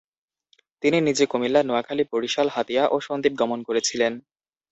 তিনি নিজে কুমিল্লা, নোয়াখালী, বরিশাল, হাতিয়া ও সন্দ্বীপ গমন করেছিলেন।